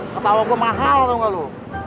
ketawa gue mahal tau gak lo